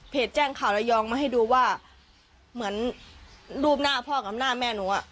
แจ้งข่าวระยองมาให้ดูว่าเหมือนรูปหน้าพ่อกับหน้าแม่หนูอ่ะ